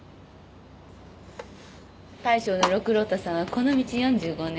大将の六郎太さんはこの道４５年。